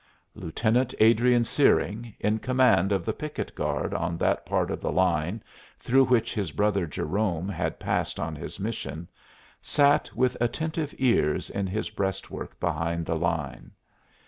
Lieutenant Adrian Searing, in command of the picket guard on that part of the line through which his brother Jerome had passed on his mission, sat with attentive ears in his breastwork behind the line.